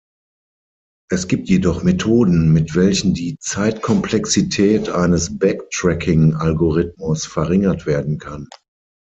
Es gibt jedoch Methoden, mit welchen die Zeitkomplexität eines Backtracking-Algorithmus verringert werden kann.